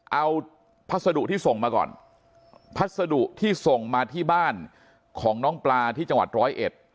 เอาพัสดุที่ส่งมาก่อนพัสดุที่ส่งมาที่บ้านของน้องปลาที่จังหวัดร้อยเอ็ด